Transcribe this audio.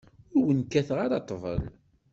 Ur wen-kkateɣ ara ṭṭbel.